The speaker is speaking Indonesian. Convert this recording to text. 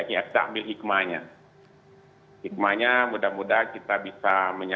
saya mengharap semoga pertempatan panjang selama ini menjadi aksa ambil hikmahnya